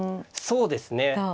そうですね。